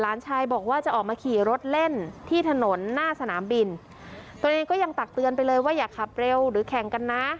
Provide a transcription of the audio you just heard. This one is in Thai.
หลานชายบอกว่าจะออกมาขี่รถเล่นที่ถนนหน้าสนามบินตัวเองก็ยังตักเตือนไปเลยว่าอย่าขับเร็วหรือแข่งกันนะ